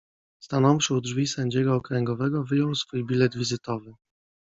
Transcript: Stanąwszy u drzwi sędziego okręgowego, wyjął swój bilet wizytowy.